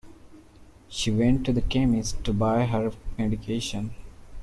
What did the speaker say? She went to to the chemist to buy her medication